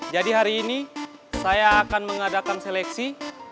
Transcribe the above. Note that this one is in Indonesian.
jadi hari ini saya akan mengadakan seleksi